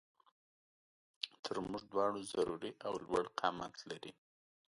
تر مونږ دواړو ضروري او لوړ قامت لري